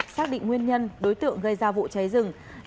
xác định nguyên nhân đối tượng gây ra vụ cháy rừng